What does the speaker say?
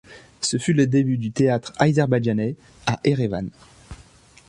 Ce fut le début du théâtre azerbaïdjanais à Erevan.